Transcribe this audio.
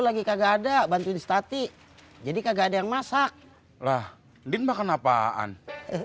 lagi kagak ada bantuin stati jadi kagak ada yang masak lah din makan apaan makan aja bubur